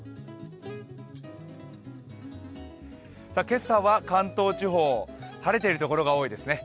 今朝は関東地方、晴れているところが多いですね。